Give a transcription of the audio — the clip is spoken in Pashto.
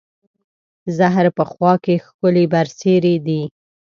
زهر په خوا کې، ښکلې برسېرې دي